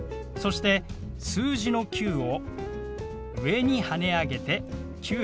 そして数字の「９」を上にはね上げて「９００」。